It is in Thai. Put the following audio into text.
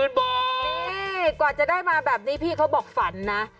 นี่กว่าจะได้มาแบบนี้พี่เขาบอกฝันนะ